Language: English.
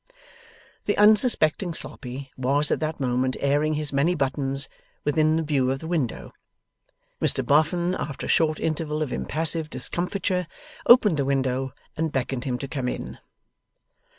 The unsuspecting Sloppy was at that moment airing his many buttons within view of the window. Mr Boffin, after a short interval of impassive discomfiture, opened the window and beckoned him to come in.